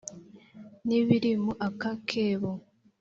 n’ibiri mu aka kebo